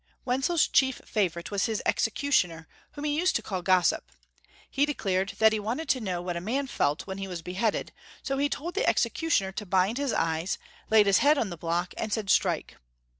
Wenzel's chief favorite was his executioner, whom he used to call " Gossip." He declared that Wenzel 229 he wanted to know what a man felt when he was beheaded, so he told the executioner to bind his eyes, laid liis head on the block, and cried, " Strike."